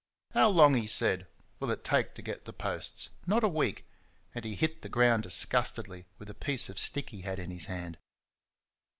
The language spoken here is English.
"How long," he said, "will it take to get the posts? Not a week," and he hit the ground disgustedly with a piece of stick he had in his hand.